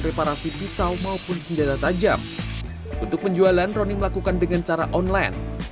reparasi pisau maupun senjata tajam untuk penjualan roni melakukan dengan cara online